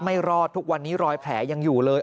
ไม่รอดทุกวันนี้รอยแผลยังอยู่เลย